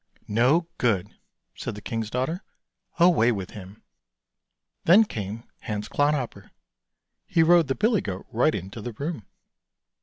" No good," said the king's daughter, " away with him." Then came Hans Clodhopper. He rode the billy goat right into the room.